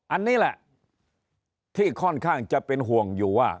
อันนี้แหละที่ค่อนข้างจะเป็นห่วงอยู่ว่า